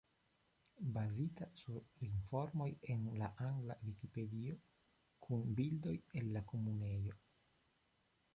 Bazita sur informoj en la angla Vikipedio, kun bildoj el la Komunejo.